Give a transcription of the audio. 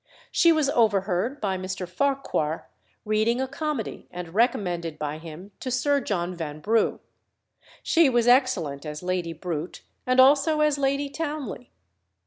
She was overheard by Mr. Farquhar reading a comedy, and recommended by him to Sir John Vanbrugh. She was excellent as Lady Brute and also as Lady Townley.